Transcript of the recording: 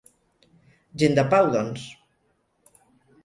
Gent de Pau, doncs.